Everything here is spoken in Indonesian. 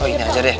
oh ini aja deh